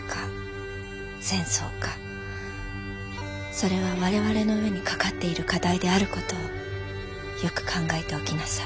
それは我々の上に懸かっている課題である事をよく考えておきなさい」。